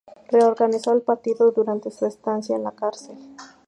Reorganizó el partido durante su estancia en la cárcel.